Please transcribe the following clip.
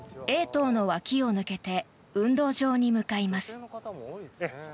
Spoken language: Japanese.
Ａ棟の脇を抜けて運動場に向かいます。